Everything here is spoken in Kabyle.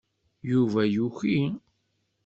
Yuba yuki.